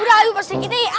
udah ayo pasik ginti